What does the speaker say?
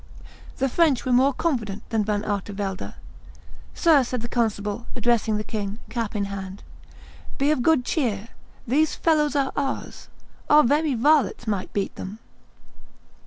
The French were more confident than Van Artevelde. "Sir," said the constable, addressing the king, cap in hand, "be of good cheer; these fellows are ours; our very varlets might beat them."